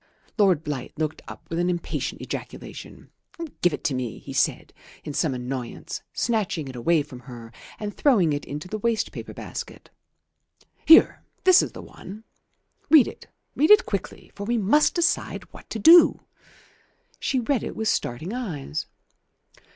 Lord Blight looked up with an impatient ejaculation "Give it to me," he said in some annoyance, snatching it away from her and throwing it into the waste paper basket. "Here, this is the one. Read it; read it quickly; for we must decide what to do." She read it with starting eyes.